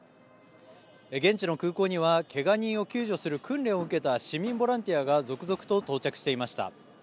現地の空港にはけが人を救助する訓練を受けた市民ボランティアが続々と到着していました。